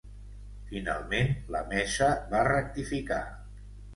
Finalment la mesa va rectificar.